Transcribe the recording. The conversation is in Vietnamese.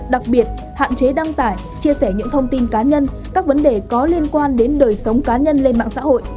đặc biệt hạn chế đăng tải chia sẻ những thông tin cá nhân các vấn đề có liên quan đến đời sống cá nhân lên mạng xã hội